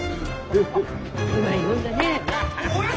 うまいもんだね。